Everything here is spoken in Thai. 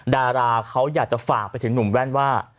ดาราเขาอยากจะฝากไปถึงหนุ่มแว่นว่า